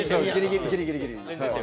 ギリギリギリギリ。